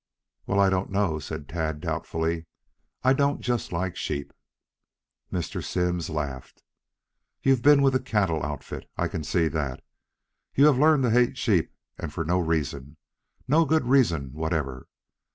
"Well, I don't know," said Tad doubtfully. "I don't just like sheep." Mr. Simms laughed. "You've been with a cattle outfit. I can see that. You have learned to hate sheep and for no reason no good reason whatever.